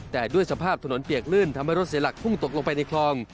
แต่ด้วยสภาพถนนเปียกลื่นทำให้รถเสียหลักพุ่งตกลงไปในคลอง